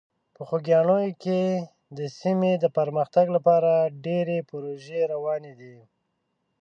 په خوږیاڼي کې د سیمې د پرمختګ لپاره ډېرې پروژې روانې دي.